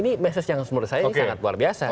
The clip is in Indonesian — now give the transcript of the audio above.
ini message yang menurut saya ini sangat luar biasa